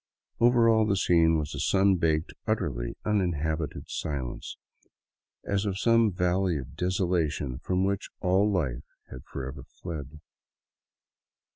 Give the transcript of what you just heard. Over all the scene was a sun baked, utterly unin habited silence, as of some valley of desolation from which all life had forever fled.